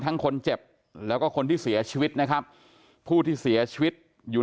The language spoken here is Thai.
คนเจ็บแล้วก็คนที่เสียชีวิตนะครับผู้ที่เสียชีวิตอยู่